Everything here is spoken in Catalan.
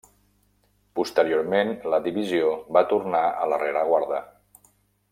Posteriorment la divisió va tornar a la rereguarda.